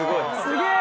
すげえ！